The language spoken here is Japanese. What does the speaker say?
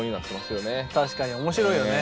確かに面白いよね。